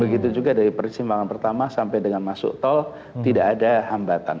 begitu juga dari persimpangan pertama sampai dengan masuk tol tidak ada hambatan